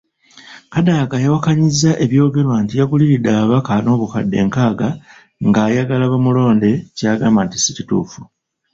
Kadaga yawakanyizza ebyogerwa nti yaguliridde ababaka n'obukadde nkaaga ng'ayagala bamulonde ky'agamba nti si kituufu.